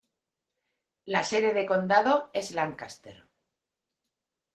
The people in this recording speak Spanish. La sede de condado es Lancaster.